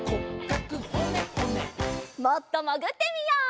もっともぐってみよう。